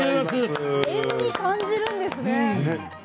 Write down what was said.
塩みを感じるんですね。